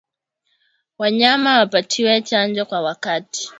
Wanyama wapatiwe chanjo kwa wakati